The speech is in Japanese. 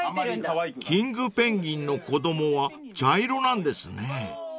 ［キングペンギンの子供は茶色なんですね］